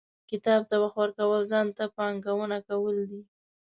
• کتاب ته وخت ورکول، ځان ته پانګونه کول دي.